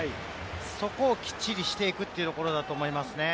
そこをきっちりしていくというところだと思いますね。